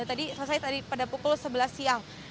tadi selesai pada pukul sebelas siang